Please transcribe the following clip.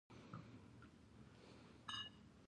اووه ویشتمه پوښتنه د ادارې د حقوقو په اړه ده.